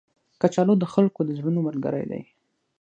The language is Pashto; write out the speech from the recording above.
کچالو د خلکو د زړونو ملګری دی